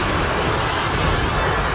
jangan berani kurang ajar padaku